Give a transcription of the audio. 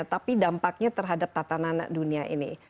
tapi dampaknya terhadap tatanan dunia ini